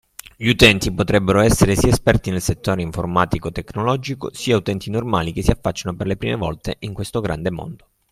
Gli utenti potrebbero essere sia esperti nel settore informatico/tecnologico, sia utenti normali che si affacciano per le prime volte in questo grande mondo.